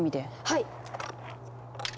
はい！